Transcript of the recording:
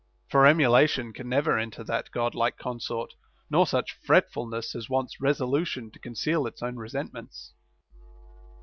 For emulation can never enter that God like consort, nor such fretfulness as wants resolu tion to conceal its own resentments.